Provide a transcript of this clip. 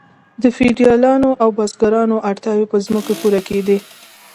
د فیوډالانو او بزګرانو اړتیاوې په ځمکو پوره کیدې.